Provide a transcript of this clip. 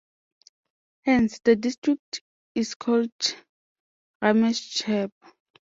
Hence, the district is called Ramechhap.